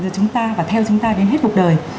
giữa chúng ta và theo chúng ta đến hết cuộc đời